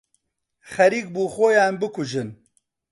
خەریک بوو خۆیان بکوژن.